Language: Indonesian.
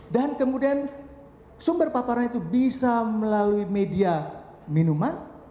dan kemudian sumber paparan itu bisa melalui media minuman